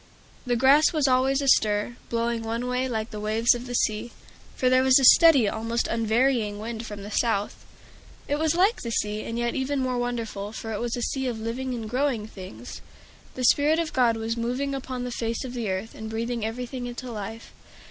The grass was always astir, blowing one way, like the waves of the sea; for there was a steady, almost an unvarying wind from the south. It was like the sea, and yet even more wonderful, for it was a sea of living and growing things. The Spirit of God was moving upon the face of the earth, and breathing everything into life.